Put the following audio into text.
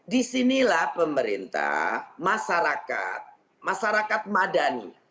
di sinilah pemerintah masyarakat masyarakat madani